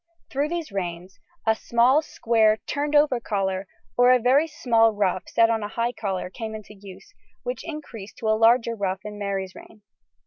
Through these reigns a small square turned over collar or a very small ruff set on a high collar came into use, which increased to a larger ruff in Mary's reign.